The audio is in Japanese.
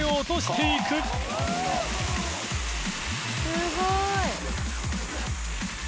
すごい。